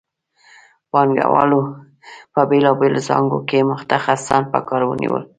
پانګوالو په بېلابېلو څانګو کې متخصصان په کار ونیول